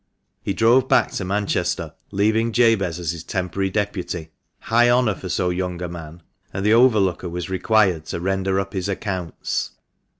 He drove back to Manchester, leaving Jabez as his temporary deputy — high honour for so young a man — and the overlooker was required to render up his accounts.